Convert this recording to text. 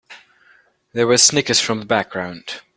There were snickers from the background.